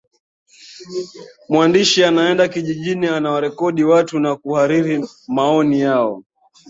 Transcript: mwandishi anaenda kijijini anawarekodi watu na kuhariri maoni yao